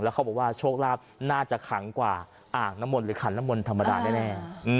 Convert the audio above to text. เขาบอกว่าโชคลาภน่าจะขังกว่าอ่างน้ำมนต์หรือขันน้ำมนต์ธรรมดาแน่